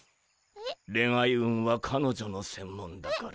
恋愛運は彼女の専門だから。